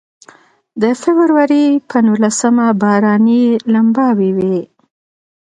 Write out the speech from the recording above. د فبروري په نولسمه باراني لمباوې وې.